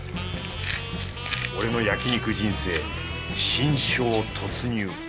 俺の焼き肉人生新章突入。